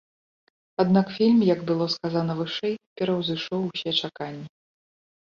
Аднак фільм, як было сказана вышэй, пераўзышоў усе чаканні.